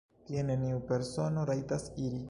Tie neniu persono rajtas iri.